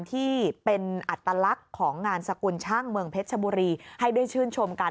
ที่เป็นอัตลักษณ์ของงานสกุลช่างเมืองเพชรชบุรีให้ได้ชื่นชมกัน